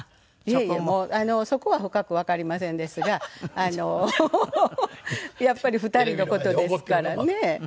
いえいえもうそこは深くわかりませんですがあのやっぱり２人の事ですからね。